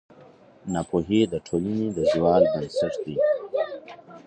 ناپوهي د ټولنې د زوال بنسټ دی.